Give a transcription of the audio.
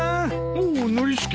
おおっノリスケ。